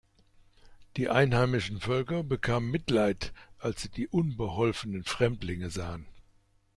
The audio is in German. Die einheimischen Völker bekamen Mitleid, als sie die unbeholfenen Fremdlinge sahen.